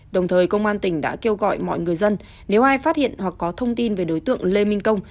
đồng thời công an tỉnh đã kêu gọi mọi người dân nếu ai phát hiện hoặc có thông tin về đối tượng lê minh công